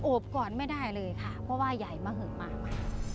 โอบกรรมไม่ได้เลยค่ะเพราะว่าใหญ่มหรือมากค่ะ